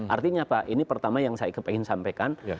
artinya pak ini pertama yang saya ingin sampaikan